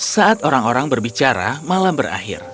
saat orang orang berbicara malam berakhir